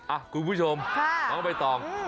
อ้ะคุณผู้ชมมาต่อไปต่อ